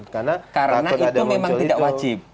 karena itu memang tidak wajib